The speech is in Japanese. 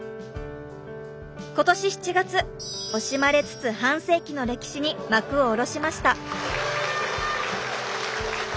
今年７月惜しまれつつ半世紀の歴史に幕を下ろしました。